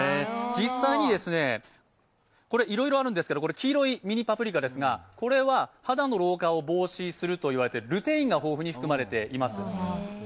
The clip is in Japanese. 実際にいろいろあるんですけど黄色いミニパプリカですが、これは肌の老化を防止するルテインが豊富に含まれています。